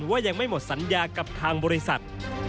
ว่ายังไม่หมดสัญญากับทางบริษัท